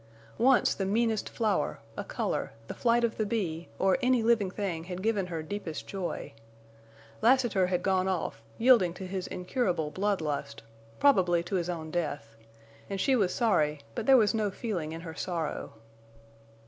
Once the meanest flower, a color, the flight of the bee, or any living thing had given her deepest joy. Lassiter had gone off, yielding to his incurable blood lust, probably to his own death; and she was sorry, but there was no feeling in her sorrow.